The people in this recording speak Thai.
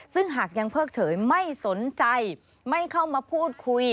ซึ่งหากยังเพิกเฉยไม่สนใจไม่เข้ามาพูดคุย